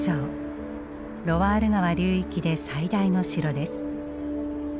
ロワール川流域で最大の城です。